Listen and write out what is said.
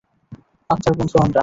আত্মার বন্ধু আমরা!